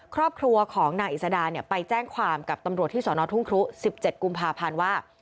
ครอบครัวของนางอิสดาไปแจ้งความกับตำรวจที่สอนอทุ่งครุ๑๗กุมภาพันธ์ว่า